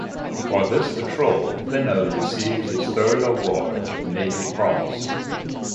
For this patrol Fenno received his third award of the Navy Cross.